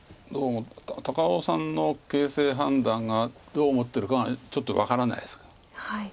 どうも高尾さんの形勢判断がどう思ってるかがちょっと分からないですが。